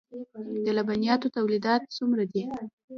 د لبنیاتو تولیدات څومره دي؟